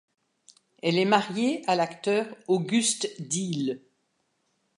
Elle est mariée à l'acteur August Diehl.